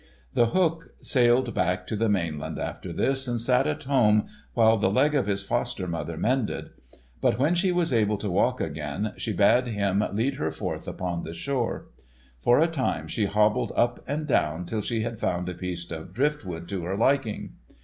The Hook sailed back to the mainland after this, and sat at home while the leg of his foster mother mended. But when she was able to walk again, she bade him lead her forth upon the shore. For a time she hobbled up and down till she had found a piece of driftwood to her liking.